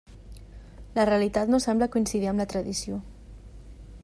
La realitat no sembla coincidir amb la tradició.